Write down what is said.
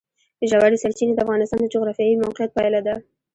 ژورې سرچینې د افغانستان د جغرافیایي موقیعت پایله ده.